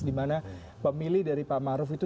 di mana pemilih dari pak ma'ruf itu